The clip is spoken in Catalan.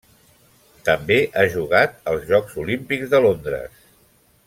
També ha jugat els Jocs Olímpics de Londres.